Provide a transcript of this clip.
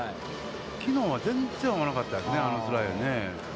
きのうは全然合わなかったですね。